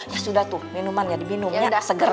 ya sudah tuh minuman ya dibinum ya seger